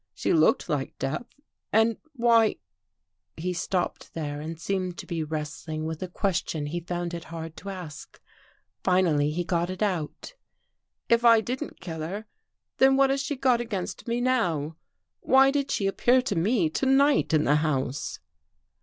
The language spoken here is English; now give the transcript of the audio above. She looked like death. And why ..." He stopped there and seemed to be wrestling with a question he found it hard to ask. Finally he got it out. "If I didn't kill her, then what has sKe got against me now? Why did she appear to me to night in the house?"